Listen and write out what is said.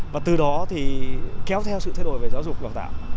và từ đó thì kéo theo sự thay đổi về giáo dục đào tạo